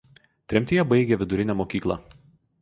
Tremtyje baigė vidurinę mokyklą.